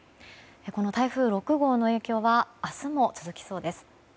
この台風６号の影響は明日も続きそうです。